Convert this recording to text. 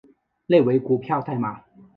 内为股票代码